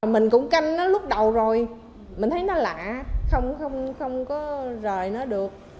mình cũng canh nó lúc đầu rồi mình thấy nó lạ không có rời nó được